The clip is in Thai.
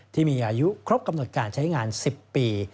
ที่มีอายุครบกำหนดการใช้งาน๑๐ปี